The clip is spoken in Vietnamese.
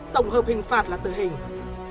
tổng hợp hình phạt là tử hình